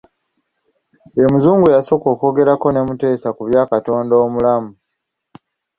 Ye Muzungu eyasooka okwogerako ne Mutesa ku bya Katonda Omulamu.